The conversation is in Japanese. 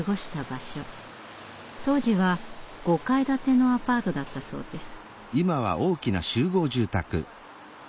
当時は５階建てのアパートだったそうです。